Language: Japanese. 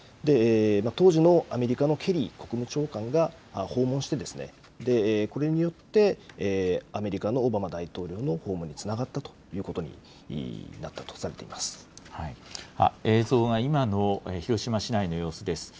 当時のアメリカのケリー国務長官が訪問して、これによってアメリカのオバマ大統領の訪問につながったというこ映像が、今の広島市内の様子です。